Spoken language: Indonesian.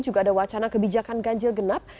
juga ada wacana kebijakan ganjil genap